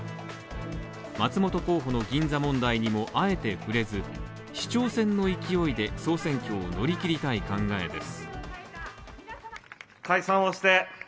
松本候補の銀座問題にもあえて触れず市長選の勢いで総選挙を乗り切りたい考えです。